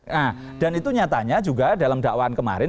nah dan itu nyatanya juga dalam dakwaan kemarin